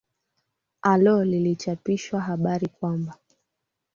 alo lilichapisha habari kwamba